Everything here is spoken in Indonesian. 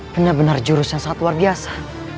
benar benar jurus yang sangat luar biasa